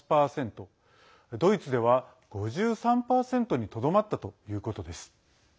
ドイツでは５３％にとどまったということです。